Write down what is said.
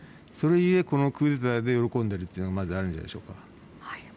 それゆえ、このクーデターを喜んでいるというのがあるんじゃないでしょうか。